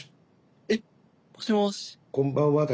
えっ！もしもし。